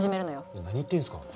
いや何言ってんすか。